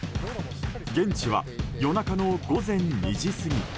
現地は夜中の午前２時過ぎ。